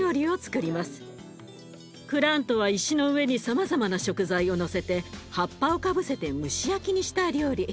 クラントは石の上にさまざまな食材をのせて葉っぱをかぶせて蒸し焼きにした料理。